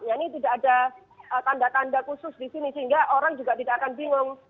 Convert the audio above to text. ini tidak ada tanda tanda khusus di sini sehingga orang juga tidak akan bingung